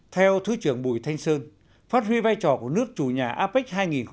theo thứ trưởng bùi thanh sơn phát huy vai trò của nước chủ nhà apec hai nghìn hai mươi